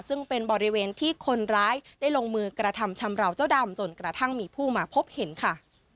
ซึ่งเป็นบริเวณที่คนร้ายได้ลงมือกระทำชำราวเจ้าดำจนกระทั่งมีผู้มาพบเห็นค่ะ